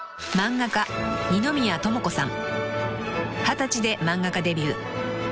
［二十歳で漫画家デビュー］